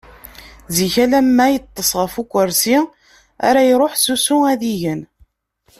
Zik alarma yeṭṭeṣ ɣef ukersi ara iruḥ s usu ad igen.